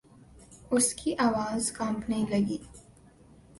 اس کی آواز کانپنے لگی۔